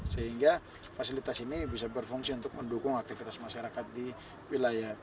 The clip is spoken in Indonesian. sehingga fasilitas ini bisa berfungsi untuk mendukung aktivitas masyarakat di wilayah